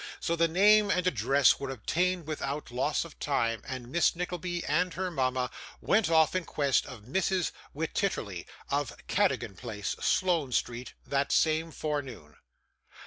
So, the name and address were obtained without loss of time, and Miss Nickleby and her mama went off in quest of Mrs. Wititterly, of Cadogan Place, Sloane Street, that same forenoon.